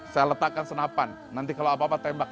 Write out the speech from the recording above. saya letakkan senapan nanti kalau apa apa tembak